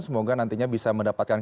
semoga nantinya bisa mendapatkan